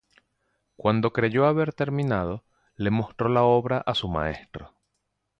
Cuando creyó haber terminado, le mostró la obra a su maestro.